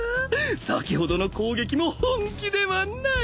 先ほどの攻撃も本気ではない。